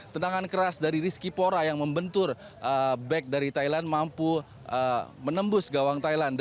tentangan keras dari rizky pora yang membentur back dari thailand mampu menembus gawang thailand